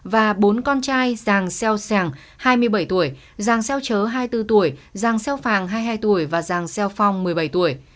và bốn con trai giang xeo sàng hai mươi bảy tuổi giang xeo chớ hai mươi bốn tuổi giang xeo phàng hai mươi hai tuổi và giang xeo phong một mươi bảy tuổi